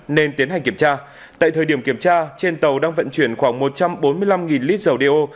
nên tiến hành kiểm tra tại thời điểm kiểm tra trên tàu đang vận chuyển khoảng một trăm bốn mươi năm lít dầu đeo